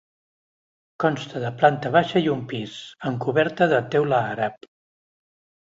Consta de planta baixa i un pis, amb coberta de teula àrab.